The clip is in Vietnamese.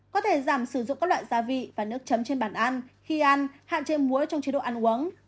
có thể giảm sử dụng các loại gia vị và nước chấm trên bàn ăn khi ăn hạn chế muối trong chế độ ăn uống